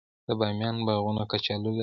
د بامیان باغونه کچالو لري.